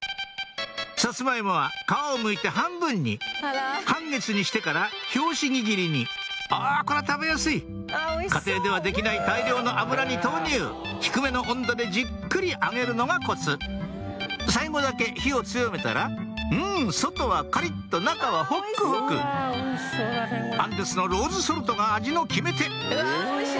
サツマイモは皮をむいて半分に半月にしてから拍子木切りにあこりゃ食べやすい家庭ではできない大量の油に投入低めの温度でじっくり揚げるのがコツ最後だけ火を強めたらうん外はカリっと中はホックホクアンデスのローズソルトが味の決め手！